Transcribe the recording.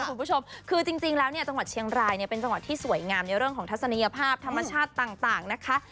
คุณผู้ชมคือจริงแล้วเนี่ยจังหวัดเชียงรายเนี่ยเป็นจังหวัดที่สวยงามในเรื่องของทัศนียภาพธรรมชาติต่างนะคะ